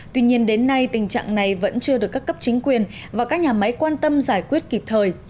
tuy nhiên đến nay tình trạng này vẫn chưa được các cấp chính quyền và các nhà máy quan tâm giải quyết kịp thời